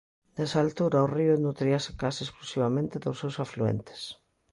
Nesa altura, o río nutríase case exclusivamente dos seus afluentes.